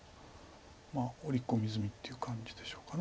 まあ織り込み済みっていう感じでしょうか。